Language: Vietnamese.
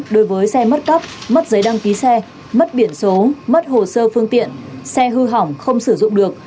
đối với xe mất cấp mất giấy đăng ký xe mất biển số mất hồ sơ phương tiện xe hư hỏng không sử dụng được